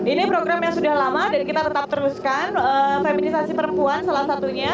ini program yang sudah lama dan kita tetap teruskan feminisasi perempuan salah satunya